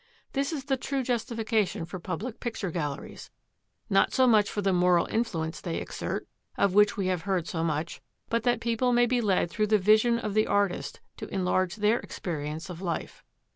This is the true justification for public picture galleries. Not so much for the moral influence they exert, of which we have heard so much, but that people may be led through the vision of the artist to enlarge their experience of life.